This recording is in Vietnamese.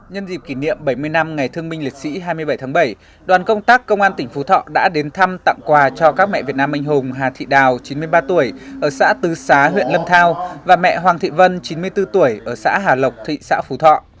nhân dịp kỷ niệm bảy mươi năm ngày thương minh liệt sĩ hai mươi bảy tháng bảy đoàn công tác công an tỉnh phú thọ đã đến thăm tặng quà cho các mẹ việt nam anh hùng hà thị đào chín mươi ba tuổi ở xã tứ xá huyện lâm thao và mẹ hoàng thị vân chín mươi bốn tuổi ở xã hà lộc thị xã phú thọ